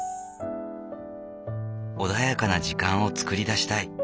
穏やかな時間を作り出したい。